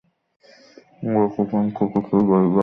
যাক, উপেনকে কিছুই বলিবার আবশ্যক নাই।